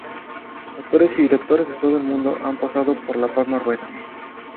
Actores y directores de todo el mundo han pasado por La Palma Rueda.